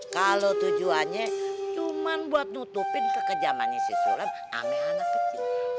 kalau tujuannya cuma buat nutupin kekejaman isi sulam ame anak kecil